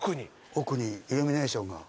奥にイルミネーションが。